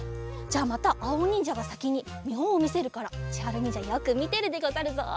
じゃあまたあおにんじゃがさきにみほんをみせるからちはるにんじゃよくみてるでござるぞ。